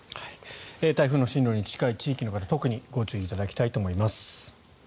台風の進路に近い地域の方は特にご注意いただきたいと思います。